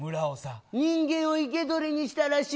人間を生け捕りにしたらしい。